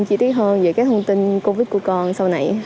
chi tiết hơn về cái thông tin covid của con sau này